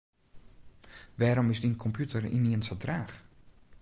Wêrom is dyn kompjûter ynienen sa traach?